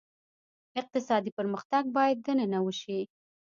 اقتصادي پرمختګ باید دننه وشي.